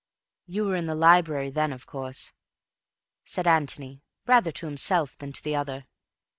"You were in the library then, of course," said Antony, rather to himself than to the other.